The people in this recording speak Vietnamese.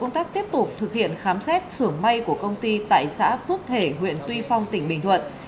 tổ công tác tiếp tục thực hiện khám sát sửa may của công ty tại xã phước thể huyện tuy phong tỉnh bình thuận